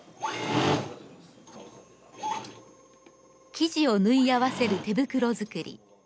生地を縫い合わせる手袋づくり。